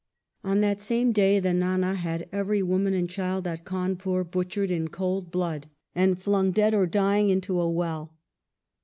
On that same day the Ndnd had every woman and child at Cawnpur butchered in cold blood, and flung dead or dying into a well.